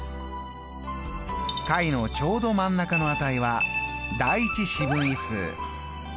下位のちょうど真ん中の値は第１四分位数。